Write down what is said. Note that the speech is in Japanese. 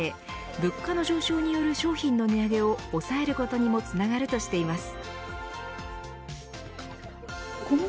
物価の上昇による商品の値上げを抑えることにもつながるとしています。